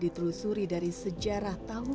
diterusuri dari sejarah tahu